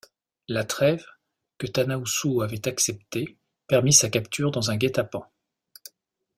La trêve, que Tanausu avait acceptée, permit sa capture dans un guet-apens.